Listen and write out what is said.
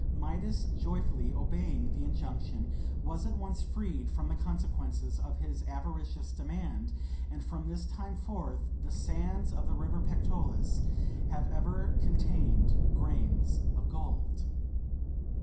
Midas joyfully obeying the injunction, was at once freed from the consequences of his avaricious demand, and from this time forth the sands of the river Pactolus have ever contained grains of gold.